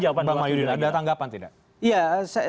gimana bang mayudin ada tanggapan tidak